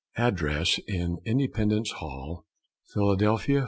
Address in Independence Hall, Philadelphia.